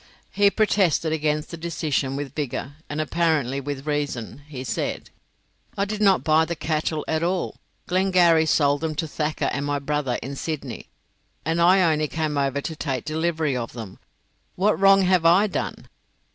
He protested against the decision with vigour, and apparently with reason. He said: "I did not buy the cattle at all. Glengarry sold them to Thacker and my brother in Sydney, and I only came over to take delivery of them. What wrong have I done?"